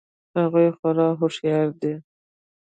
هغوی خورا هوښیار دي